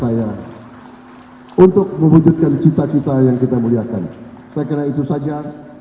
saya untuk mewujudkan cita cita yang kita muliakan saya kira itu saja